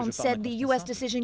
mengatakan keputusan as